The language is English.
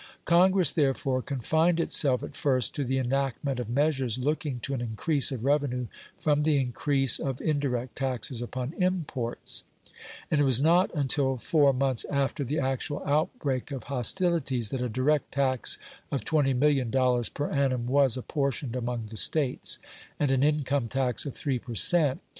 Congress, therefore, confined itself at first to the enactment of measures looking to an increase of revenue from the increase of indirect taxes upon imports; and it was not until four months after the actual outbreak of hostilities that a direct tax of $20,000,000 per annum was apportioned among the States, and an income tax of 3 per cent.